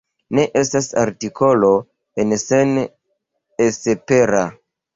Ne estas artikolo en Sen:esepera.